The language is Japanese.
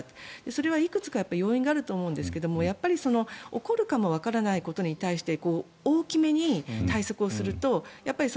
それはいくつか要因があると思うんですがやっぱり起こるかもわからないことに対して大きめに対策をするとやっぱり